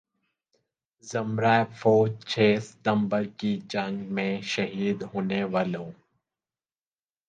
ذمرہ فوج چھ ستمبر کی جنگ میں شہید ہونے والوں